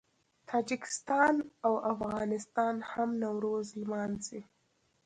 تاجکستان او افغانستان هم نوروز لمانځي.